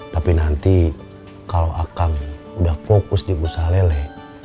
tapi nanti kalau akang udah fokus di usaha leleh